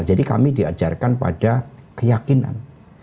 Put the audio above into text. jadi kami diajarkan pada keyakinan